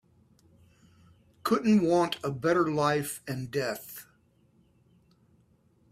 Couldn't want a better life and death.